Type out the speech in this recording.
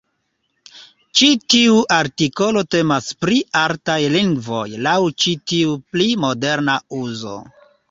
Ĉi tiu artikolo temas pri "artaj lingvoj" laŭ ĉi tiu pli moderna uzo.